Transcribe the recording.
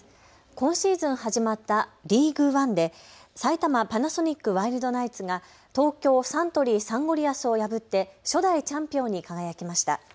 今シーズン始まったリーグワンで埼玉パナソニックワイルドナイツが東京サントリーサンゴリアスを破って初代チャンピオンに輝きました。